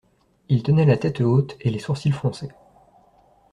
Il tenait la tête haute et les sourcils froncés.